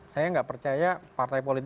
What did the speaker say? saya tidak percaya partai polisi